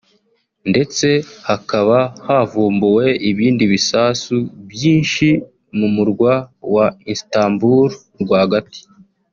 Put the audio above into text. ndetse hakaba havumbuwe ibindi bisasu byinshi mu murwa wa Istanbul rwagati